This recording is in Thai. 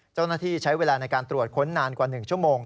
เจ้าหน้าที่ใช้เวลาในการตรวจค้นนานกว่า๑ชั่วโมง